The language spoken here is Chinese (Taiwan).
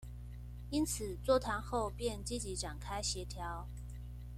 因此座談後便積極展開協調